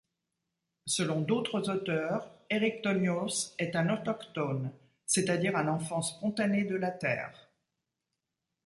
Selon d'autres auteurs, Érichthonios est un autochtone, c'est-à-dire un enfant spontané de la Terre.